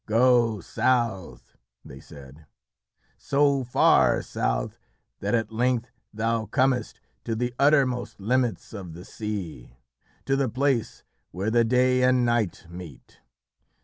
"Go south," they said, "so far south that at length thou comest to the uttermost limits of the sea, to the place where the day and night meet.